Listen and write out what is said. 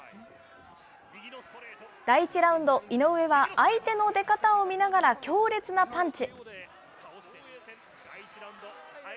第１ラウンド、井上は相手の出方を見ながら強烈なパンチ。